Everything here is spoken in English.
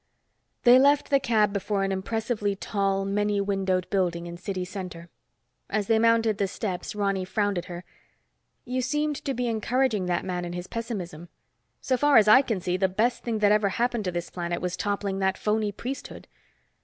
They left the cab before an impressively tall, many windowed building in city center. As they mounted the steps, Ronny frowned at her. "You seemed to be encouraging that man in his pessimism. So far as I can see, the best thing that ever happened to this planet was toppling that phony priesthood."